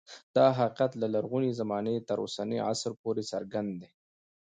دا حقیقت له لرغونې زمانې تر اوسني عصر پورې څرګند دی